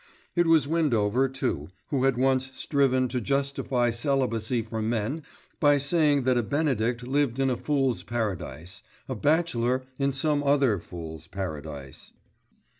It was Windover, too, who had once striven to justify celibacy for men by saying that a benedict lived in a fool's paradise; a bachelor in some other fool's paradise.